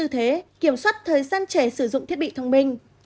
giữ tư thế kiểm soát thời gian trẻ sử dụng thiết bị thông minh